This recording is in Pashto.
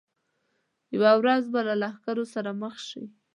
یوه ورځ به له ښکرور سره مخ شي.